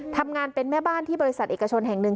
ทำงานเป็นแม่บ้านที่บริษัทเอกชนแห่งหนึ่ง